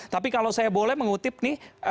tapi kalau saya boleh mengutip nih